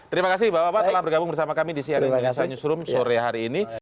terima kasih bapak bapak telah bergabung bersama kami di cnn indonesia newsroom sore hari ini